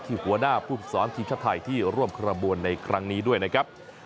หัวหน้าผู้ฝึกสอนทีมชาติไทยที่ร่วมกระบวนในครั้งนี้ด้วยนะครับ